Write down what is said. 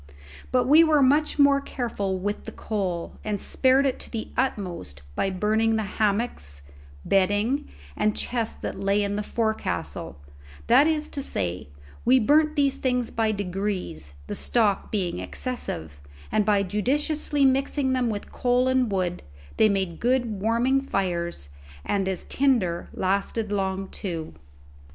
But we were much more careful with the coal, and spared it to the utmost by burning the hammocks, bedding, and chests that lay in the forecastle; that is to say, we burnt these things by degrees, the stock being excessive, and by judiciously mixing them with coal and wood, they made good warming fires, and as tinder lasted long too.